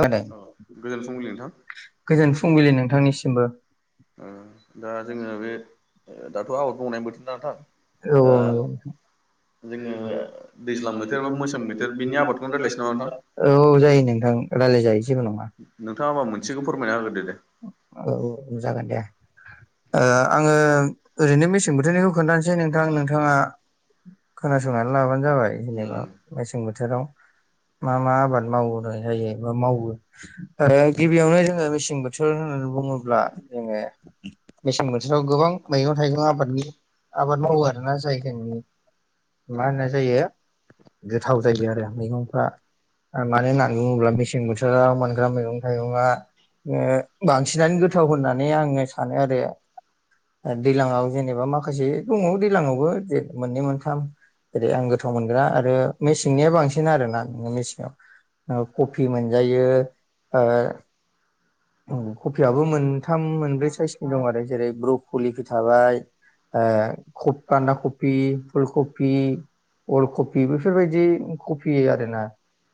औ दे गोजोन फुंबिलि नोंथां गोजोन फुंबिलि नोंथांनिसिमबो। ओ दा जोङो बे ओ-दाथ' आबाद मावनाय बोथोर ना दा। औ दा नंगौ जोङो दैज्लां बोथोर बा मेसें बोथोर बिनि आबादखौनो रायलायनोसै नामा नोंथां। औ जायो नोंथां रायज्लाय जायोणजेबो नङा। नोंथाङा ओमबा मोनसेखौ फोरमायना होग्रो दो दे। औ-औ जागोन दे ओ आङो ओरैनो मेसें बोथोरनिखौ खोन्थानोसै नोंथां नोंथाङा खोनासंनानै लाबानो जाबाय जेनेबा मेसें बोथोराव। मा-मा आबाद मावनाय जायो बा मावो ओ-गिबियावनो जोङो मेसें बो बोथोर होननानै बुङोब्ला जोङो मेसें बोथोराव गोबां मैगं थाइगं आबादनि। आबाद मावोआरोना जायगानि मा होननाय जायो गोथाव जायो आरो मैगंफोरा। ओ मानो होनानै बुङोब्ला मेसें बोथोराव मोनग्रा मैगं थाइगंआ। ओ बांसिनानो गोथाव होननानै आङो सानो आरो। ओ दैलांआव जेनेबा माखासे दङ दैज्लांआवबो मोननै मोनथाम जेरै आं गोथाव मोनग्रा आरो मेसेंनिया बांसिन आरोना नोङो मेसेनाव ओ-कभि मोनजायो। ओ- कभियाबबो मोनथाम मोनब्रै साइसनि दं आरो जेरै ब्रकलिफोर थाबाय ओ कफ- बान्दा कभि, फुलकभि अल कभि बेफोरबायदि कभि आरोना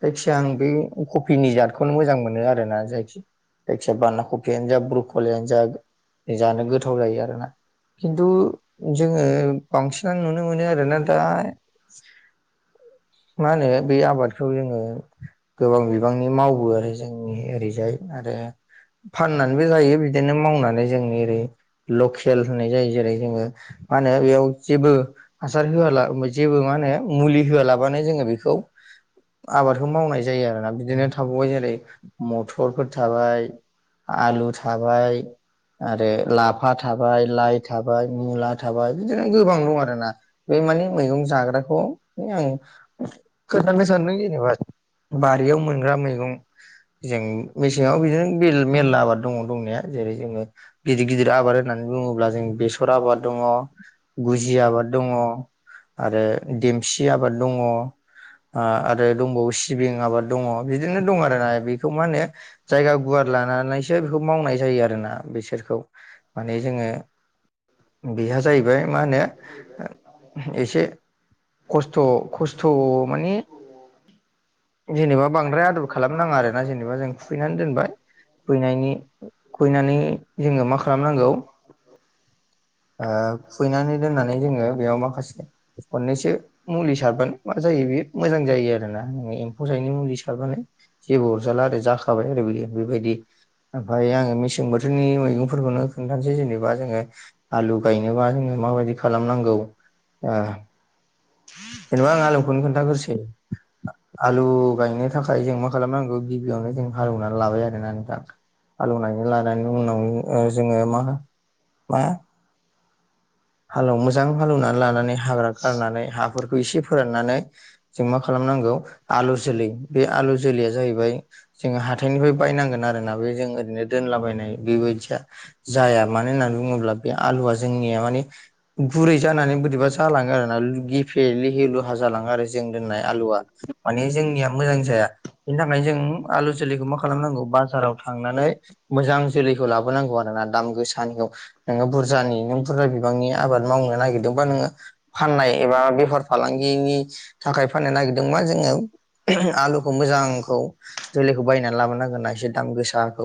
जायखिजया आं बे कभिनि जातखौनो मोजां मोनो आरोना जायखिया। जायखिजाया बान्दा कभियानो जा ब्रक'लियानो जा जानो गोथाव जायो आरोना। खिन्थु जोङो बांसिनानो नुनो मोनो आरोना दा मा होनो बे आबादखौ जोङो गोबां बिबांनि मावो आरो जोंनि ओरैजाय आरो फाननानैबो जायो बिदिनो मावनानै जोंनि ओरै लकेल होननाय जायो जेरै जोङो। मा होनो बेयाव जेबो हासार होआला जेबो मा होनो मुलि होआलाबानो जोङो बेखौ आबादखौ मावनाय जायो आरोना बिदिनो थाबावबाय जेरै मथरफोर थाबाय। आलु थाबाय। आरो लाफा थाबाय लाइ थाबाय मुला थाबाय बिदिनो गोबां दं आरोोना बे माने मैगं जाग्राखौ आं खोन्थानो सानदों जेनेबा बारियाव मोनग्रा मैगं जों मेसेङाव बिदिनो। [unintelligible] मेरला आबाद दङ दंनाया जेरै जोङो गिदिर गिदिर आबाद होननानै बुङोब्ला जों बेसर आबाद दङ गुजि आबाद दङ। आरो देमसि आबाद दङ। आरो दंबावो सिबिं आबाद दङ बिदिनो दं आरोना बेखौ मा होनो जायगा गुवार लानानैसो बेखौ मावनाय जायो आरोना बिसोरखौ माने जोङो बेहा जाहैबाय मा होनो एसे खस्थ' खस्थ' माने जेनेबा बांद्राय आदर खालाम नाङा आरोना जेनेबा जों खुबैनानै दोनबाय। खैनायनि खैनानै जोङो मा खालामनांगौ औ खुबैनानै दोननानै जोङो बेयाव माखासे खननैसो मुलि सारबानो मा जायो बे मोजां जायो आरोना एम्फौ सायै मुलि सारबानो। जेबो अरजाला आरो जाखाबाय आरो बिदि बेबायदि ओमफ्राय आङो मेसें बोथोरनि मैगंफोरखौनो खोन्थानोसै जेनेबा जोङो आलु गायनोबा जोङो माबायदि खालामनांगौ ओ जेनेबा आं आलुखौनो खोनथाग्रोसै आलु गायनो थाखाय जों मा खालामनांगौ गिबियावनो जों हालौवना लाबाय आरोना नोंथा हालौवनानै लानायनि उनाव जोङो मा मा हालौ मोजां हालौवनानै लानानै हाग्रा गारनानै हाफोरखौ एसे फोराननानै जों मा खालामनांगौ आलु जोलै बे आलु जोलैया जाहैबाय जोङो हाथाइनिफ्राय बायनांगोन आरोना बे जों ओरैनो दोनलाबायनाय बेबायदिया जाया मानो होननानै बुङोब्ला बे आलुआ जोंनिया मानि गुरै जानानै बोरैबा जालाङो आरो ना गिफे लिहे लुहा जालाङो आरो जों दोननाय आलुआ माने जोंनिया मोजां जाया। बेनि थाखायनो जों आलु जोलैखौ मा खालामनांगौ बाजाराव थांनानै मोजां जोलैखौ लाबोनांगौ आरोना दाम गोसानिखौ नोङो बुरजानि नों बुरजा नि आबाद मावनो नागिरदोंबा नोङो फाननाय एबा बेफार फालांगिनि थाखाय फाननो नागिरदोंबा जोङो आलुखौ मोजांखौ जोलैखौ बायनानै लाबोनांगोना एसे दाम गोसाखौ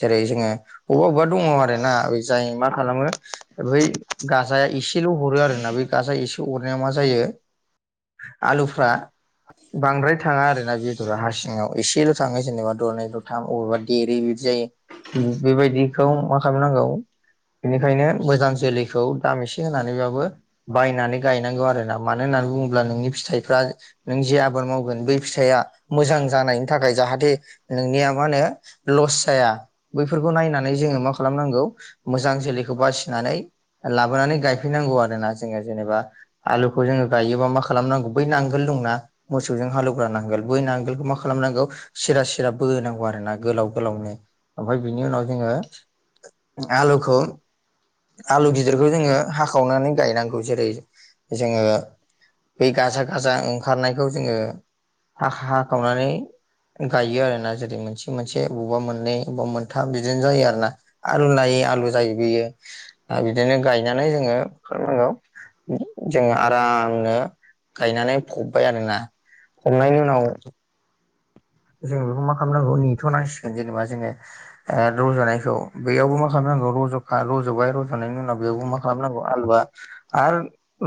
जेरै जोङो बबेबा अबेबा दङ आरो ना जाय मा खालामो बै गाजाया एसेल' हरो आरोोना बे गाजाया एसे हरनाया मा जायो आलुफ्रा बांद्राय थाङा आरोना बेदरा हारसिङाव एसेल' थाङो जेनेबा दरनै दरथाम अबेबा देरै बिदि जायो बेबायदिखौ मा खालामनांगौ बेनिखायनो मोजां जोलैखौ दाम एसे होनानैबाबो बायनानै गायनांगौ आरोना मानो होननानै बुङोब्ला नोंनि फिथाइफ्रा नों जे आबाद मावगोन बै फिथाइया मोजां जानायनि थाखाय जाहाथे नोंनिया मा होनो लस जाया बैफोरखौ नायनानै जोङो मा खालामनांगौ मोजां जोलैखौ बासिनानै लाबोनानै गायफैनांगौ आरो ना जोङो जेनेबा आलुखौ जोङो गायोबा मा खालामनांगौ बै नांगोल दङ जोंना मोसौजों हालौवग्रा नांगोल बै नांगोलखौ मा खालामनांगौ सिरा सिरा बहोनांगौ आरो ना गोलाव गोलावनो ओमफ्राय बिनि उनाव जोङो आलखौ आलु गिदिरखौ जोङो हाखावनानै गायनांगौ जेरै जोङो बे गाजा गाजा ओंखारनायखौ जोङो हाख हाखावनानै गायो आरोना जेरै मोनसे मोनसे बबेबा मोननै बबेबा मोनथाम बिदिनो जायो आरो ना आलु लायै आलु जायो बियो दा बिदिनो गायनानै जोङो मा खालामनांगौ जोङो आरामनो गायनानै फबबाय आरोना हमनायनि उनाव जों बेखौ मा खालामनांगौ नेथ'नांसिगोन जेनेबा जोङो ओ रज'नायखौ बेयावबो मा खालामनांगौ रज' रज'बाय रज'नायनि उनाव बेयावबो मा खालामनांगौ आलुआ आरो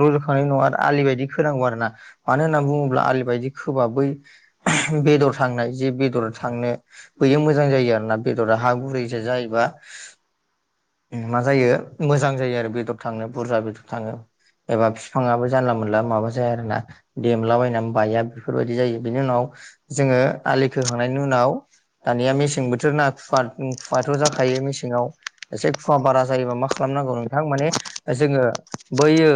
रज'खांनायनि उनाव आरो आलि बायदि खोनांगौ आरोना मानो होननानै बुङोब्ला आलि बायदि खोबा बै बेदर थांना जे बेदर थांनो बैयो मोजां जायो आरोना। बेदरा हा गुरैसो जायोबा मा जायो मोजां जायो आरो बेदर थाङो बुरजा बेदर थाङो एबा बिफाङाबो जानला मोनला माबा जाया आरो ना। देमलाबायनानै बाया बेफोरबायदि जायो बिनि उनाव जोङो आलि खोखांनायनि उनाव दानिया मेसें बोथोर ना खुवा खुवाथ' जाखायो मेसेङाव एसे खुवा बारा जायोबा मा खालामनांगौ नोंथां माने जोङो बैयो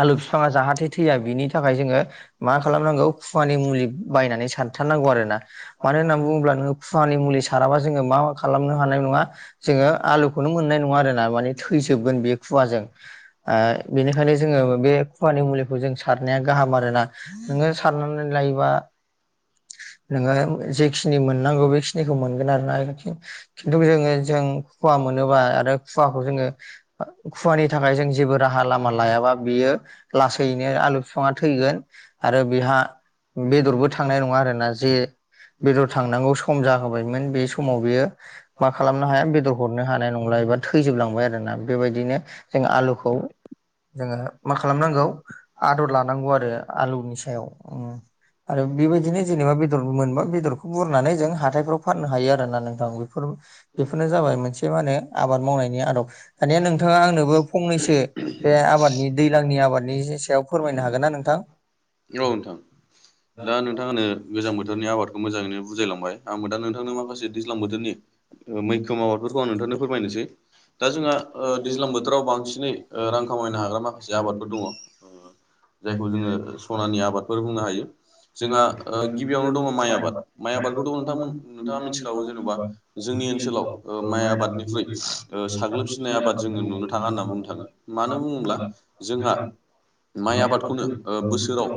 आलु फिफाङा जाहाथे थैया बिनि थाखाय जोङो मा खालामनांगौ फुवानि मुलि बायनानै सारथारनांगौ आरोना मानो होननानै बुङोब्ला नोङो फुवानि मुलि सा साराबा जोङो मा मा खालामनो हानाय नङा जोङो आलुखौनो मोननाय नङा आरोना माने थैजोबगोन बे खुवाजों। बेनिखायनो जोङो बे खुवानि मुलिखौ जों सारनाया गाहाम आरोना। नोङो सारनानै लायोबा नोङो जेखिनि मोननांगौ बेखिनिखौ मोनगोन आरोना। खिन्थु जोङो जों खुवा मोनोबा आरो खुवाखौ जोङो खुवानि थाखाय जों जेबो राहा लामा लायाबा बियो लासैनो आलु फिफाङा थैगोन आरो बेहा बेदरबो थांनाय नङा आरोना जे बेदर थांनांगौ सम जाहोबायमोन बे समाव बियो मा खालामनो हाया बेदर हरनो हानाय नंला एबा थैजोबलांबाय आरोना बेबायदिनो जों आलुखौ जोङो मा खालामनांगौ आदार लानांगौ आरो आलुनि सायाव आरो बेबायदिनो जेनेबा बेदर मोनबा बेदरखौ बुरनानै जों हाथायफोराव फाननो हायो आरो ना नोंथां बेफोर बेफोरनो जाबाय मोनसे मा होनो आबाद मावनायनि आदब दानिया नोंथाङा आंनोबो फंनैसो बे आबादनि दैज्लांनि आबादनि सायाव फोरमायनो हागोन ना नोंथां औ नोंथां दा नोंथांआनो गोजां बोथोरनि आबादखौ मोजाङैनो बुजायलांबायो दा नोंथांनो माखासे दैज्लां बोथोरनि मैखोम आबादफोरखौ आं नोंथांनो फोरमायनोसै दा जोंहा दैज्लां बोथोराव बांसिनै रां खामायनो हाग्रा माखासे आबादफोर दङ जायखौ जोङो सनानि आबादफोर बुंनो हायो जोंहा गिबियावनो दङ माइ आबाद माइ आबादखौ दङ नोंथां नोंथाङा मिथिखागौ जेनेबा जोंनि ओनसोलाव माइ आबादनिख्रुइ साग्लोबसिननाय आबाद जोङो नुनो थाङा होनना बुंनो थाङो मानो बुङोब्ला जोंहा माइ आबादखौनो बोसोराव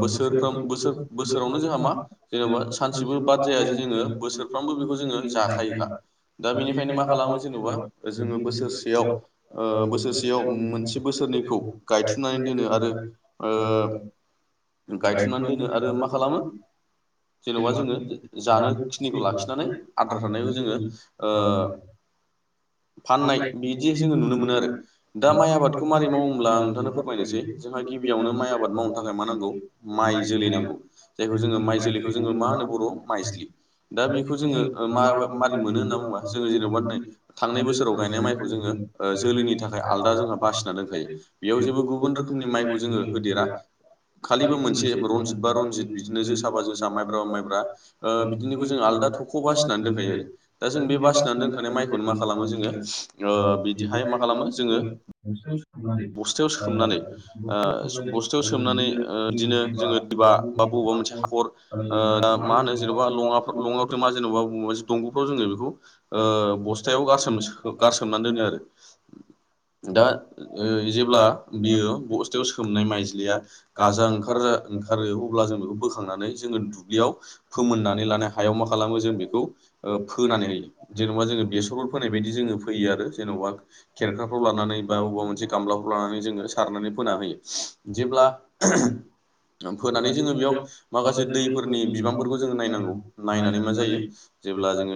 बोसोरफ्रामबो बोसोरावनो जोंहा मा जेनेबा सानसेबो बाद जाया जे जोङो बोसोर सानफ्रोमबो बेखौ जोङो जाखायोखा दा बेनिखायनो मा खालामो जेन'बा जोङो बोसोरसेयाव बोसोरसेयाव मोनसे बोसोरनैखौ गायथननानै दोनो आरो औ गायथननानै दोनो आरो मा खालामो जेनेबा जोङो जानो खिनिखौ लाखिनानै आद्रा थानायखौ जोङो फाननाय बिदि जोङो नुनो मोनो आरो दा माइ आबादखौ माबोरै मावोब्ला आं नोंथांनो फोरमायनोसै जोंहा गिबियावनो माइ आबाद मावनो थाखाय मा नांगौ माइ जोलै नांगौ जायखौ जोङो माइ जोलैखौ जोङो मा होनो बर' माइजलि दा बेखौ जोङो मा मारै मोनो होनना बुङोबा जोङो जेनेबा नै थांनाय बोसोराव गायनाय माइखौ जोङो। जोलैनि थाखाय आलदा जोंहा बासिना दोनखायो बेयाव जेबो गुबुन रोखोमनि माइखौ जोङो होदेरा। खालिबो मोनसे रनजित बा रनजित बिदिनो जों साबा जों सा मायब्रा बा मायब्रा बिदिनोखौ जों आलदा थख'। खौ बासिनानै दोनखायो आरो दा जों बे बासिनानै दोनखानाय माइखौनो मा खालामो जोङो बि। बिदिहाय मा खालामो जोङो बस्थायाव सोमनानै। बस्थायाव सोमनानै ओ। बिदिनो जोङो दिबा बा बबेबा मोनसे हाखर ओ दा मा होनो जेन'बा ला लङा मा जेनेबा बबेबा। दंग'फ्राव जोङो बेखौ ओ बस्थायाव गारसोम गारसोमनानै दोनो आरो। दा ओ जेब्ला बियो बस्थायाव सोमनाय माइज्लिया। गाजा ओंखार ओंखारो अब्ला जों बेखौ बोखांनानै जोङो दुब्लियाव फोमोननानै लानो हायाव मा खालामो जों बेखौ फोनानै होयो जेनेबा जोङो बेसरफोर फोनाय बायदि जोङो फैयो आरो जेन'बा। खेरखाफ्राव लानानै बा अबेबा मोनसे गामलाफ्राव लानानै जोङो सारनानै फोना होयो जेब्ला। [inaudible] फोनानै जोङो बेयाव माखासे दैफोरनि बिबांफोरखौ जोङो नायनांगौ नायनानै मा जायो। जेब्ला जोङो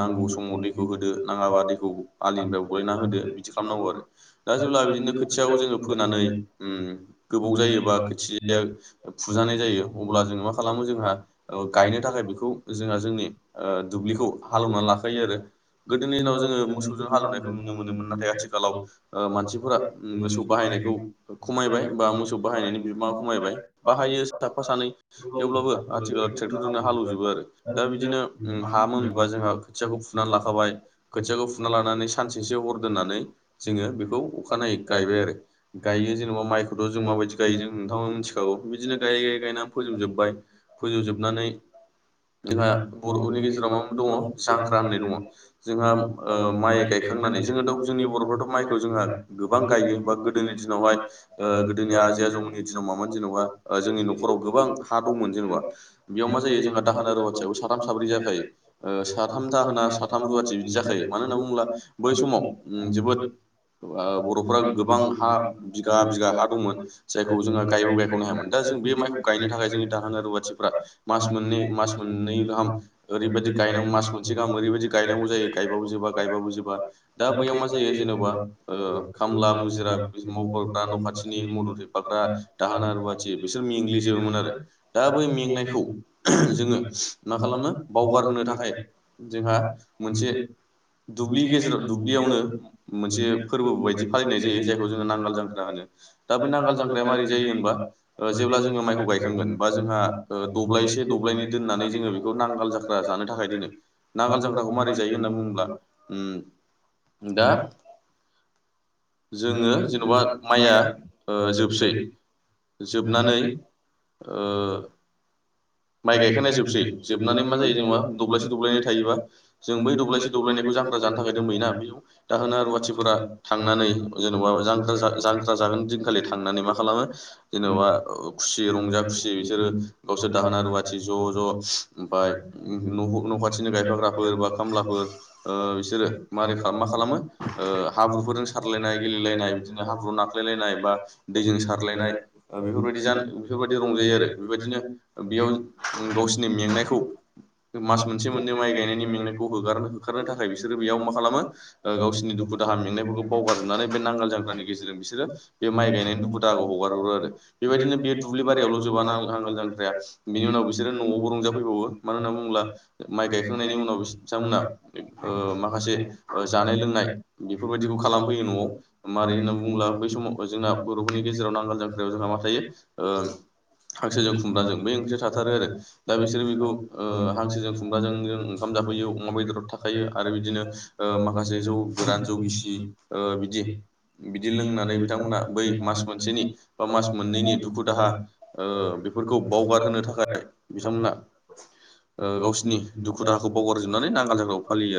नांगौ समाव दैखौ होदो नाङाबा दैखौ आलिनिफ्राय बलायना होदो बिदि खालामनांगौ आरो। दा जेब्ला बिदिनो खोथियाखौ जोङो फोनानै उम गोबाव जायोबा खोथिया फुजानाय जायो अब्ला जोङो मा खालामो जोंहा ओ गायनो थाखाय बेखौ जोंहा जोंनि ओ दुब्लिखौ हालेवना लाखायो आरो। गोदोनि दिनाव जोङो मोसौजों हालेवनायखौ नुनो मोनोमोन नाथाय आथिखालाव ओ मानसिफोरा मोसौ बाहायनायखौ खमायबाय बा मोसौ बाहायनायनि मा खमायबाय बाहायो साफा सानै थेवब्लाबो आथिखालाव ट्रेक्टरजोंनो हालेवजोबो आरो। दा बिदिनो उम हा मोनबा जोंहा खोथियाखौ फुनानै लाखाबाय खोथियाखौ फुना लानानै सानसेसो हर दोननानै जोङो बेखौ अखानायै गायबाय आरो। गाइयो जेनेबा माइखौथ' जों माबायदि गाइयो जों नोंथांआबो मिनथिखागौ बिदिनो गाइयै गाइयै गायना फोजोबजोबबाय फोजोबजोबनानै जोंहा बर'नि गेजेराव मा मा दङ जांख्रा होननाय दङ जोंहा ओ माइ गायखांनानै जोङो द' जोंनि बर'फ्राथ' माइखौ जोंहा गोबां गाइयो बा गोदोनि दिनावहाय ओ गोदोनि आजै आजौमोननि दि [unintelligible] जेनबा ओ जोंनि न'खराव गोबां हा दंमोन जेनबा बेव मा जायो जोंना दाहोना रुवाथियाबो साथाम साब्रै जाखायो ओ साथाम दाहोना साथाम रुवाथि बिदि जाखायो मानो होनना बुंब्ला बै समाव उम जोबोद ओ बर'फोरा गोबां हा‌ बिघा बिघा हा दंमोन। जायखौ जोङो गायबाबो गायख'नो हायामोन दा जों बे माइखौ गायनो थाखाय जोंनि दाहोना रुवाथिफोरा मास मोननै मास मोननै गाहाम ओरैबायदि गायनांगौ मास मोनसे गाहाम ओरैबायदि गायनांगौ जायो। गायबाबो जोबा गायबाबो जोबा दा बैयाव मा जायो जेन'बा ओ खामला मुजिरा बिदि मावफाग्रा न' खाथिनि मदद एबा दा-दाहोना रुवाथि बिसोर मेंग्लिजोबोमोन आरो दा बै मेंनायखौ जोङो मा खालामो बावगारहोनो थाखाय जोंहा मोनसे दुब्लि गेजेराव दुब्लियावनो मोनसे फोरबो बायदि फालिनाय जायो जायखौ‌ जोङो नांगोल जांख्रा होनो। दा बे नांगोल जांख्राया मारै जायो होनबा ओ जेब्ला जोङो माइखौ गायखांगोन बा जोंहा ओ दब्लायसे दब्लायनै दोननानै जोङो बेखौ नांगाल जाख्रा जानो थाखाय दोनो नांगाल जाख्राखौ मारै जायो होनना बुङोब्ला उम दा जोङो जेन'बा माइया ओ जोबसै जोबनानै ओ माइ गायखांनाया जोबसै जोबनानै मा जायो जेन'बा दब्लायसे दब्लायनै थायोबा जों बै दब्लायसे दब्लायनैखौ जांख्रा जानो थाखाय दोनबोयोना बेव दाहोना रुवाथिफोरा थांनानै जेन'बा जांख्रा जा जांख्रा जागोन दिनखालि थांनानै मा खालामो जेन'बा खुसि रंजा खुसि बिसोरो गावसोर दाहोना रुवा थि ज' ज' ओमफाय न' न' खाथिनि गायफाग्राफोर बा खामलाफोर ओ बिसोरो मारै खाम मा खालामो ओ हाब्रुफोरजों सारलायनाय गेले लायनाय बिबदिनो हाब्रुआव नाख्लायलायनाय बा दैजों सारलायनाय ओ बेफोरबायदि जान बेफोरबायदि रंजायो आरो। बेबायदिनो बेयाव गावसिनि मेंनायखौ मास मोनसे मोननै माइ गायनायनि मेंनायखौ होगारनो होखारनो थाखाय बिसोरो बेयाव मा खालामो ओ गावसिनि दुखु दाहा मेंनायफोरखौ बावगार नानै बे नांगाल जांख्रानि गेजेरजों बिसोरो बे माइ गायनायनि दुखु दाहाखौ हगार हरो आरो बेबायदिनो बेयो दुब्लिबारियावल' जोबा नां-नांगाल जांख्राया। बिनि उनाव बिसोरो न'आवबो रंजाफैबावो मानो होनना बुङोब्ला माइ गायखांनायनि उनाव बिस बिसांमोना ओ माखासे ओ जानाय लोंनाय बेफोरबायदिखौ खालामफैयो। न'आव मारै होनना बुङोब्ला बै समाव जोंना बर'फोरनि गेजेराव नांगाल जांख्रायाव जोंहा मा थायो ओ हांसोजों खुमब्राजों बे ओंख्रिआ था थाथारो आरो दा बिसोरो बेखौ ओ हांसोजों खुमब्राजों जों ओंखाम जाफैयो अमा बेदराथ' था खायो आरो बिदिनो ओ माखासे जौ गोरान जौ गिसि ओ बिदि बिदि लोंनानै बिथांमोना बै मास मोनसेनि बा मास मोननैनि दुखु दाहा ओ बेफोरखौ बावगारहोनो थाखाय बिथांमोना ओ गावसिनि दुखु दाहाखौ बावगारजोबनानै नांगाल जांख्राखौ फालियो।